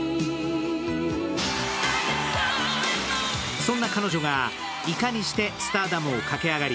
そんな彼女がいかにしてスターダムを駆け上がり